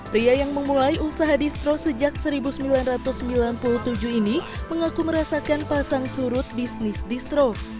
pria yang memulai usaha distro sejak seribu sembilan ratus sembilan puluh tujuh ini mengaku merasakan pasang surut bisnis distro